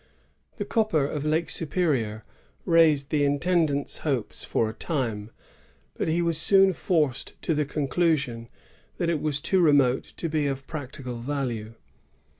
^ The copper of Lake Superior raised the intendant's hopes for a time, but he was soon forced to the conclusion that it was too remote to be of practical value.